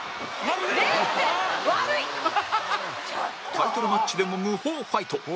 タイトルマッチでも無法ファイト